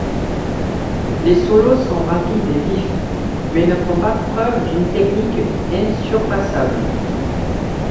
Les solos sont rapides et vifs, mais ne font pas preuve d'une technique insurpassable.